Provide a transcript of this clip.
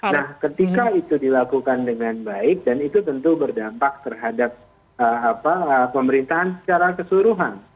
nah ketika itu dilakukan dengan baik dan itu tentu berdampak terhadap pemerintahan secara keseluruhan